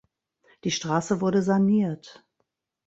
Die Straße wurde saniert.